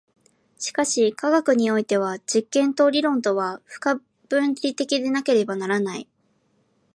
しかし科学においては実験と理論とは不可分離的でなければならない。